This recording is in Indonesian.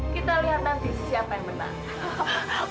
kita lihat nanti siapa yang menang